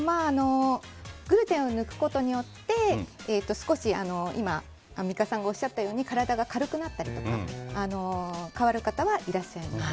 グルテンを抜くことによってアンミカさんがおっしゃったように体が軽くなったり変わる方はいらっしゃいます。